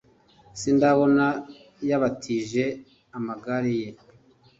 Sindabona yabatije amagare ye